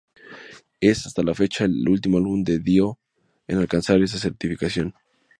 Es, hasta la fecha, el último álbum de Dio en alcanzar esta certificación.